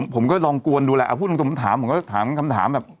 ผมก็ลองกวนดูแหละเอาพูดตรงผมถามผมก็ถามคำถามแบบ